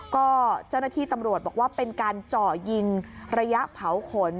ก็เจ้าหน้าที่ตำรวจบอกว่าเป็นการเจาะยิงระยะเผาขน